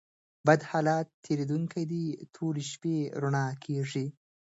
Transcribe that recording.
بد حالت تېرېدونکى دئ؛ توري شپې رؤڼا کېږي.